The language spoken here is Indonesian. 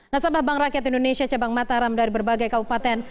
nasabah bank rakyat indonesia cabang mataram dari berbagai kabupaten